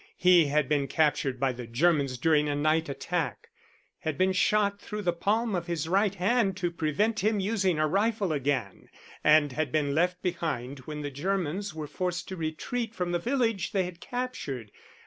He had been captured by the Germans during a night attack, had been shot through the palm of his right hand to prevent him using a rifle again, and had been left behind when the Germans were forced to retreat from the village they had captured.